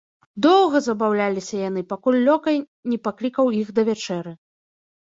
Доўга забаўляліся яны, пакуль лёкай не паклікаў іх да вячэры.